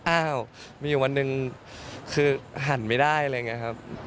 อ้าวมีวันหนึ่งคือหั่นไม่ได้ครับ